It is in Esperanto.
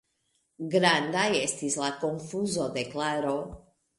Granda estis la konfuzo de Klaro.